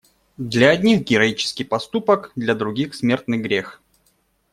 Для одних - героический поступок, для других - смертный грех.